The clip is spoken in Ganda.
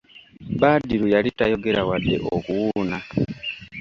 Badru yali tayogera wadde okuwuuna!